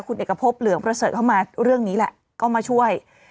คุณเอกพบเหลืองประเสริฐเข้ามาเรื่องนี้แหละก็มาช่วย